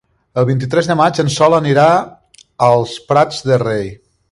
El vint-i-tres de maig en Sol anirà als Prats de Rei.